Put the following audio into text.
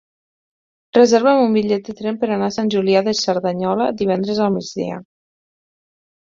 Reserva'm un bitllet de tren per anar a Sant Julià de Cerdanyola divendres al migdia.